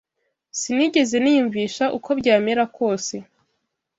Sinigeze niyumvisha, uko byamera kose